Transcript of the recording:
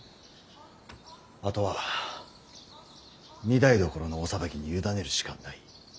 あとは御台所のお裁きに委ねるしかない。